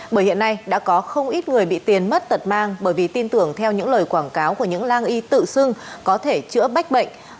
bởi hiện nay đã có không ít người bị tiền mất tật mang bởi vì tin tưởng theo những lời quảng cáo của những lang y tự xưng có thể chữa bách bệnh